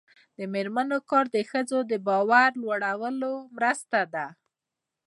د میرمنو کار د ښځو باور لوړولو مرسته ده.